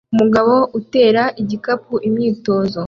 Umugabo utera igikapu imyitozo